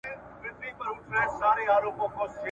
نن د جنګ میدان ته ځي خو توپ او ګولۍ نه لري ,